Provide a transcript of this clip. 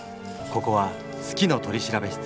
ここは「好きの取調室」。